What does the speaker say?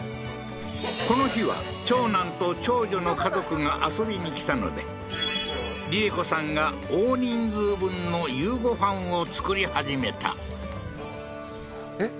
この日は長男と長女の家族が遊びに来たので利枝子さんが大人数分の夕ご飯を作り始めたえっ？